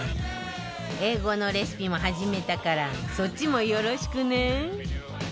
英語のレシピも始めたからそっちもよろしくね